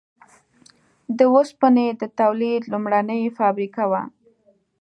د اوسپنې د تولید لومړنۍ فابریکه وه.